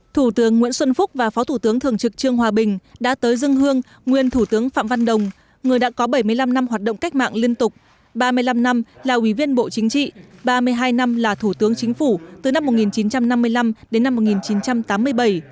thủ tướng nguyễn xuân phúc và phó thủ tướng thường trực trương hòa bình đã tới dân hương nguyên thủ tướng phạm văn đồng người đã có bảy mươi năm năm hoạt động cách mạng liên tục ba mươi năm năm là ủy viên bộ chính trị ba mươi hai năm là thủ tướng chính phủ từ năm một nghìn chín trăm năm mươi năm đến năm một nghìn chín trăm tám mươi bảy